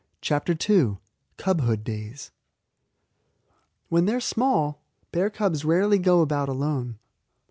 CHAPTER II CUBHOOD DAYS When they are small, bear cubs rarely go about alone.